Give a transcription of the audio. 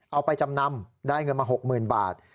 เอาไปจำนำได้เงินมา๖๐๐๐บาท